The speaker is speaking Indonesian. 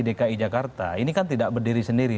dki jakarta ini kan tidak berdiri sendiri